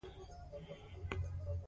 ننګرهار د افغانانو ژوند اغېزمن کوي.